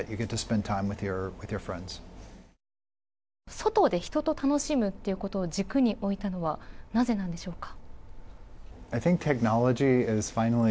外で人と楽しむということを軸に置いたのはなぜなんでしょうか。